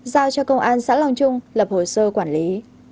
giao cho công an xã long trung lập hồ sơ quản lý